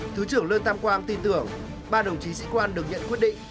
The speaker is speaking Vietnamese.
thứ trưởng lương tam quang tin tưởng ba đồng chí sĩ quan được nhận quyết định